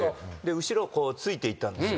後ろをついて行ったんですよ。